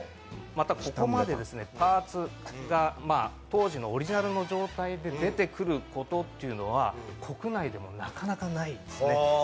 ここまでパーツが当時のオリジナルの状態で出てくることは国内でもなかなかないですね。